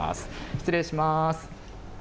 失礼します。